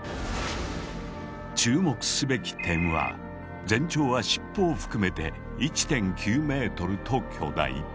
注目すべき点は全長は尻尾を含めて１．９ｍと巨大。